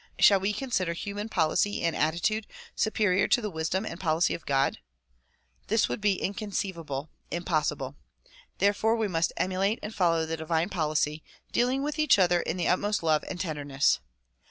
Shall we consider human policy and attitude superior to the wisdom and policy of God? This would be inconceivable, impossible. Therefore we must emulate and follow the divine policy, dealing with each other in the utmost love and tenderness.